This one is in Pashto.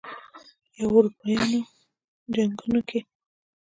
یا اروپايانو جنګونو کې